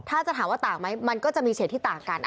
ถ้าจะถามว่าต่างไหมมันก็จะมีเฉดที่ต่างกัน